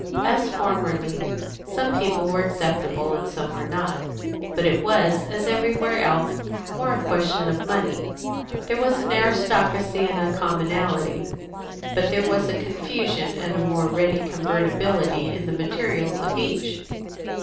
As formerly, some people were acceptable, and some were not; but it was, as everywhere else, more a question of money; there was an aristocracy and a commonalty, but there was a confusion and a more ready convertibility in the materials of each.